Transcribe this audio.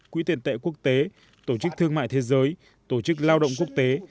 quỹ tiền tệ quốc tế tổ chức thương mại thế giới tổ chức lao động quốc tế